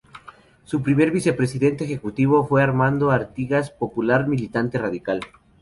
Su primer vicepresidente ejecutivo fue Armando Artigas Pulgar, militante radical.